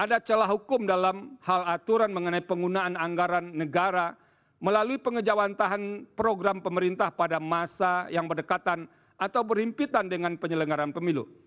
ada celah hukum dalam hal aturan mengenai penggunaan anggaran negara melalui pengejauhan tahan program pemerintah pada masa yang berdekatan atau berhimpitan dengan penyelenggaran pemilu